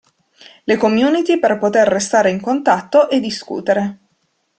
Le community per poter restare in contatto e discutere.